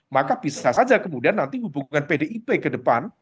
maka bisa saja kemudian nanti hubungan pdip ke depan